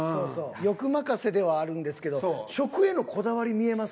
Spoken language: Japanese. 欲任せではあるんですけど食へのこだわり見えますよね。